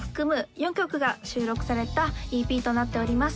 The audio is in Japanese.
４曲が収録されたＥＰとなっております